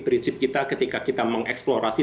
prinsip kita ketika kita mengeksplorasi